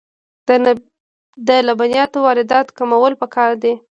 د لبنیاتو واردات کمول پکار دي